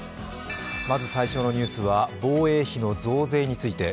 まず最初のニュースは防衛費の増税について。